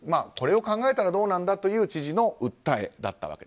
これを考えたらどうなんだという知事の訴えです。